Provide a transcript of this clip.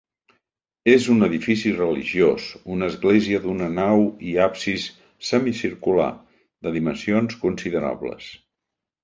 És un edifici religiós, una església d'una nau i absis semicircular, de dimensions considerables.